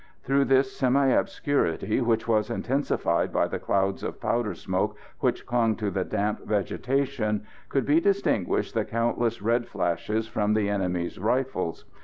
Through this semi obscurity, which was intensified by the clouds of powder smoke which clung to the damp vegetation, could be distinguished the countless red flashes from the enemy's rifles.